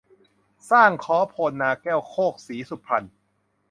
สร้างค้อ โพนนาแก้ว โคกศรีสุพรรณ